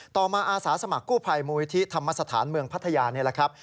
ต่อมาอาสาสมัครกู้ภัยมูลิธิธรรมสถานเมืองพัทยานี่แหละครับ